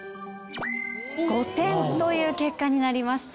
５点という結果になりました。